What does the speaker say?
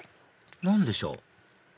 何でしょう？